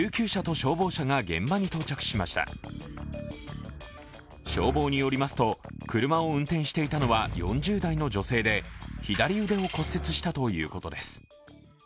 消防によりますと、車を運転していたのは４０代の女性で左腕を骨折したということです。